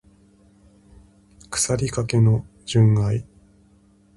腐りかけの純愛